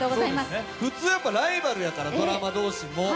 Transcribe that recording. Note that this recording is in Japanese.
普通、ライバルやからドラマ同士も。